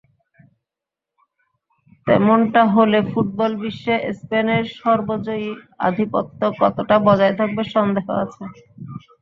তেমনটা হলে ফুটবল বিশ্বে স্পেনের সর্বজয়ী আধিপত্য কতটা বজায় থাকবে সন্দেহ আছে।